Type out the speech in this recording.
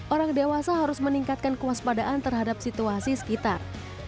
orang dewasa harus meningkatkan kewaspadaan terhadap situasi sekitar